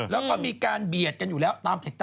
แล้วก็มีการเบียดกันอยู่แล้ว